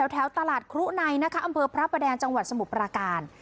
แถวตลาดครุในนะคะอำเภอพระประแดงจังหวัดสมุทรปราการ